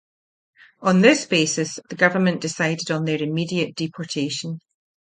On this basis, the government decided on their immediate deportation.